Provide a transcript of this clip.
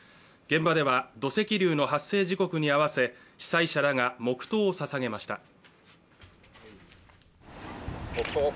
現場では土石流の発生時刻に合わせ被災者らが黙とうを捧げました。